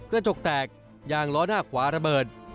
กระจกแตกยางล้อหน้าขวาระเบิด